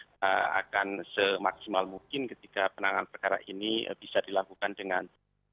kita akan semaksimal mungkin ketika penanganan perkara ini bisa dilakukan dengan